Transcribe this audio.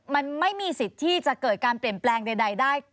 มันไม่มีสิทธิ์ที่จะเกิดการเปลี่ยนแปลงใดได้